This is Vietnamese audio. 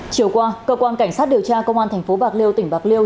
chiều qua cơ quan cảnh sát điều tra công an tp bạc liêu tỉnh bạc liêu